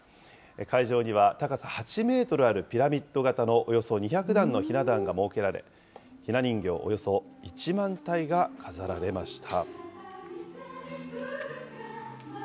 会場には高さ８メートルあるピラミッド型のおよそ２００段のひな壇が設けられ、ひな人形およそ１万体が飾られました。